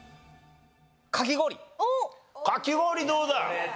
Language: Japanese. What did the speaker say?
かき氷どうだ？